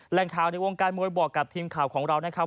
แหล่งข่าวในวงการมวยบอกกับทีมข่าวของเรานะครับ